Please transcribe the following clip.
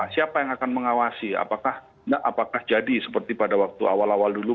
siapa yang akan mengawasi apakah jadi seperti pada waktu awal awal dulu